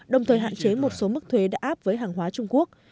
đồng thời hạn chế một số mức thuế đã áp với hàng hóa trung quốc